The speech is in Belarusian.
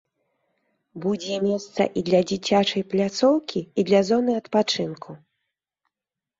Будзе месца і для дзіцячай пляцоўкі, і для зоны адпачынку.